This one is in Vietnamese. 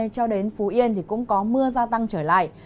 cho đến phú yên thì cũng có mưa gia tăng trở lại